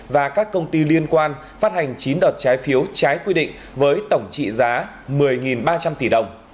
và các công ty liên quan phát hành chín đợt trái phiếu trái quy định với tổng trị giá một mươi ba trăm linh tỷ đồng